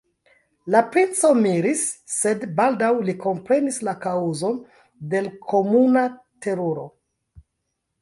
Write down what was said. La princo miris, sed baldaŭ li komprenis la kaŭzon de l' komuna teruro.